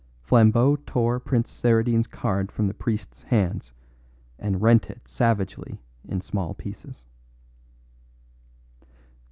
Flambeau tore Prince Saradine's card from the priest's hands and rent it savagely in small pieces.